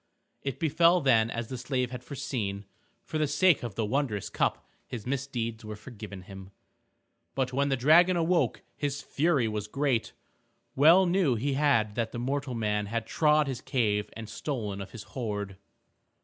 It befell then as the slave had foreseen. For the sake of the wondrous cup his misdeeds were forgiven him. But when the dragon awoke his fury was great. Well knew he that mortal man had trod his cave and stolen of his hoard.